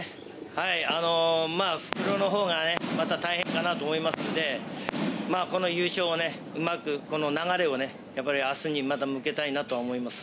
復路のほうがね、大変かなと思いますので、この優勝、うまく流れを明日に向けたいなと思います。